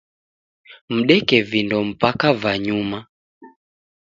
Mdeke vindo mpaka va nyuma.